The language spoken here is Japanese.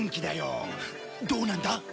どうなんだ？